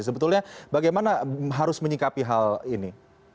sebetulnya bagaimana harus menyikapi hal ini